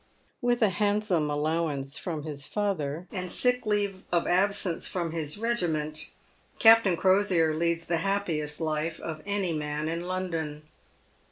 "With a handsome allowance from his father, and sick leave of absence from his regiment, Captain Crosier leads the happiest life of any man in London.